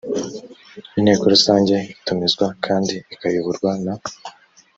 inteko rusange itumizwa kandi ikayoborwa na